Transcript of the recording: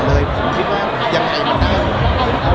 ก็ออกคำถามณได้หมดเลย